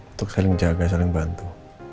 untuk saling jaga saling bantu